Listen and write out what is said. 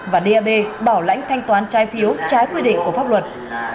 và dap bảo lãnh thanh toán trái phiếu trái quy định của pháp luật